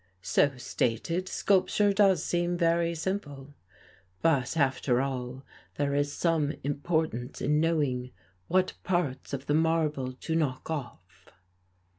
So stated, sculpture does seem very simple. But, after all, there is some importance in knowing what parts of the marble to knock off.